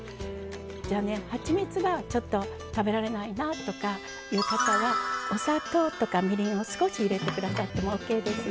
じゃあねはちみつがちょっと食べられないなとかいう方はお砂糖とかみりんを少し入れて下さってもＯＫですよ。